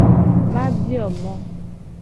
Ma bio mo.